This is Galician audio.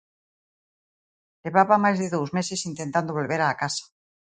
Levaba máis de dous meses intentando volver á casa.